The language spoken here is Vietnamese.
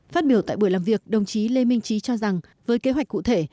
phát biểu tại buổi làm việc đồng chí lê minh trí cho rằng với kế hoạch cụ thể